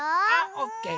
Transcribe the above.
オッケー！